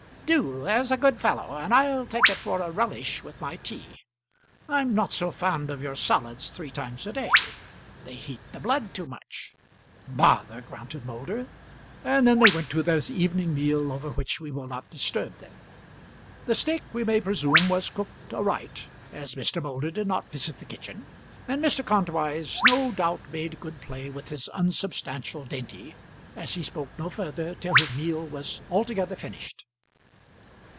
"Do, there's a good fellow; and I'll take it for a relish with my tea. I'm not so fond of your solids three times a day. They heat the blood too much." "Bother," grunted Moulder; and then they went to their evening meal, over which we will not disturb them. The steak, we may presume, was cooked aright, as Mr. Moulder did not visit the kitchen, and Mr. Kantwise no doubt made good play with his unsubstantial dainty, as he spoke no further till his meal was altogether finished.